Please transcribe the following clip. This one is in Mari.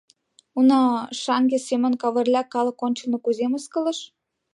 Уна, шаҥге Семон Кавырля калык ончылно кузе мыскылыш...